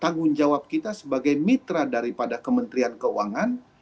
tanggung jawab kita sebagai mitra daripada kementerian keuangan